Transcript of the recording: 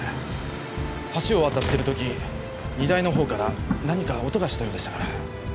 橋を渡ってる時荷台のほうから何か音がしたようでしたから。